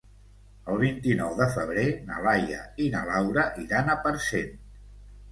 El vint-i-nou de febrer na Laia i na Laura iran a Parcent.